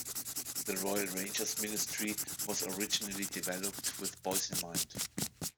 The Royal Rangers ministry was originally developed with boys in mind.